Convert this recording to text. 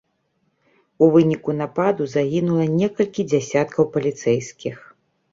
У выніку нападу загінула некалькі дзясяткаў паліцэйскіх.